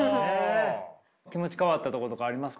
気持ち変わったとことかありますか？